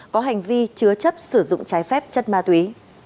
có hành vi chứa chấp sử dụng trái phép chất ma túy